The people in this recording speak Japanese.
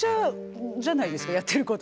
やってること。